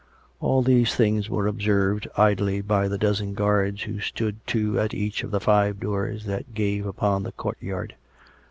All these things were observed idly by the dozen guards who stood two at each of the five doors that gave upon the courtyard.